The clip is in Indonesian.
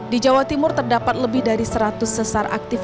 di jawa timur terdapat lebih dari seratus sesar aktif